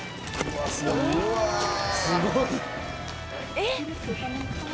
えっ！